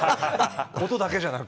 音だけじゃなく。